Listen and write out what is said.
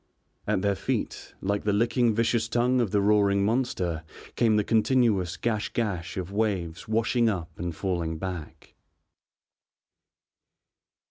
At their feet, like the licking vicious tongue of the roaring monster, came the continuous gash gash of waves washing up and falling back.